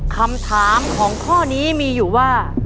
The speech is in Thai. คำถามของข้อนี้มีอยู่ว่า